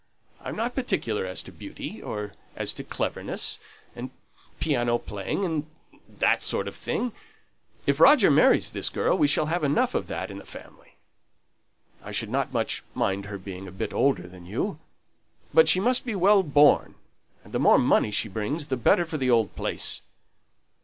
I'm not particular as to beauty, or as to cleverness, and piano playing, and that sort of thing; if Roger marries this girl, we shall have enough of that in the family. I shouldn't much mind her being a bit older than you, but she must be well born, and the more money she brings the better for the old place."